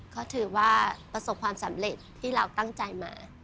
ก็ถือว่าประสบความสำเร็จที่เราตั้งใจมา